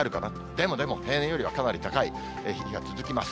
でもでも、平年よりはかなり高い日が続きます。